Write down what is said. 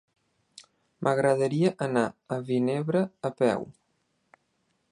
M'agradaria anar a Vinebre a peu.